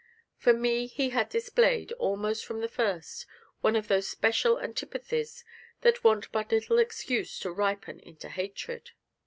For me he had displayed, almost from the first, one of those special antipathies that want but little excuse to ripen into hatred.